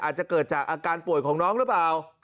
อาจจะเกิดจากอาการป่วยของน้องหรือเปล่า